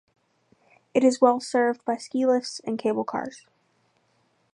It is well served by ski lifts and cable car.